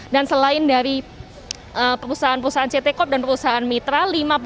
dan selain dari perusahaan perusahaan ct corp dan perusahaan mitra